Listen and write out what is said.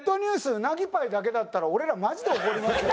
うなぎパイだけだったら俺らマジで怒りますよ。